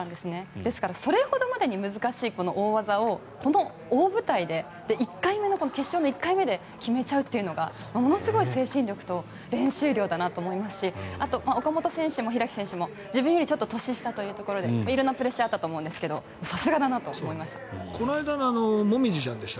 ですからそれほどまでに難しい大技をこの大舞台でこの決勝の１回目で決めちゃうというのがものすごい精神力と練習量だなと思いますしあと、岡本選手も開選手も自分よりちょっと年下ということで色んなプレッシャーがあったと思いますがさすがでした。